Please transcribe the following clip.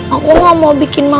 aku gak mau bikin mahal